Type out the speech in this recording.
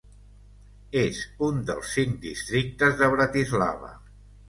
És un dels cinc districtes de Bratislava.